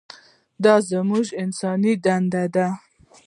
دا زموږ انساني دنده ده.